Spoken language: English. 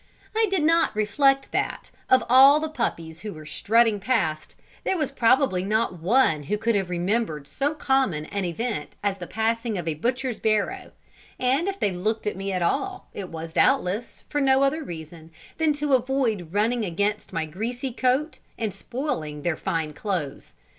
I did not reflect that, of all the puppies who were strutting past, there was probably not one who could have remembered so common an event as the passing of a butcher's barrow; and if they looked at me at all, it was, doubtless, for no other reason than to avoid running against my greasy coat and spoiling their fine clothes.